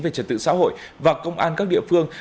về trật tự xã hội và công an các địa phương